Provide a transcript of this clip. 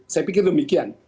saya pikir demikian